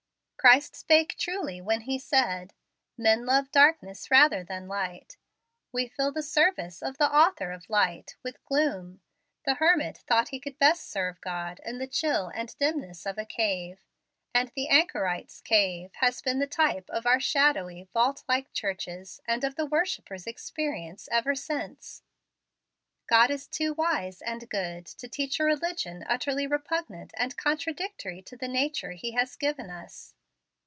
Christ spake truly when He said, "Men love darkness rather than light." We fill the service of the Author of Light with gloom. The hermit thought he could best serve God in the chill and dimness of a cave; and the anchorite's cave has been the type of our shadowy, vault like churches, and of the worshippers' experience ever since. God is too wise and good to teach a religion utterly repugnant and contradictory to the nature He has given us.